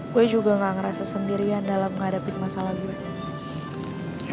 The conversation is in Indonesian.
gue juga gak ngerasa sendirian dalam menghadapi masalah gue